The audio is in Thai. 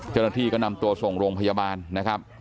เจ้าหน้าที่ก็นำตัวส่งโรงพยาบาลนะครับ